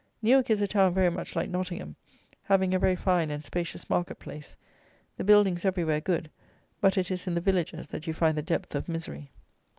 Newark is a town very much like Nottingham, having a very fine and spacious market place; the buildings everywhere good; but it is in the villages that you find the depth of misery.